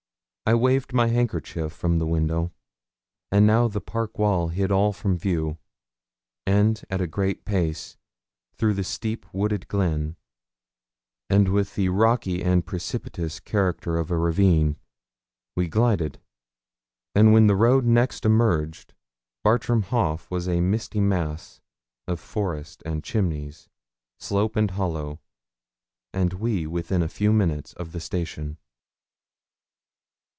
I waved my handkerchief from the window; and now the park wall hid all from view, and at a great pace, through the steep wooded glen, with the rocky and precipitous character of a ravine, we glided; and when the road next emerged, Bartram Haugh was a misty mass of forest and chimneys, slope and hollow, and we within a few minutes of the station.